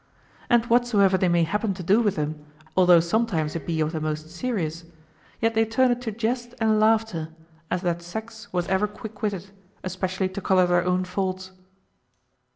And whatsoever they may happen to do with them, although sometimes it be of the most serious, yet they turn it to jest and laughter, as that sex was ever quick witted, especially to color their own faults.